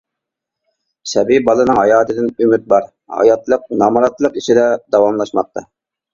سەبىي بالىنىڭ ھاياتىدىن ئۈمىد بار، ھاياتلىق نامراتلىق ئىچىدە داۋاملاشماقتا.